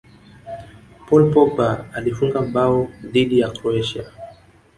paul pogba alifunga bao dhidi ya Croatia